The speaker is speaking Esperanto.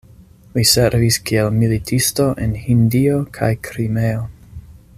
Li servis kiel militisto en Hindio kaj Krimeo.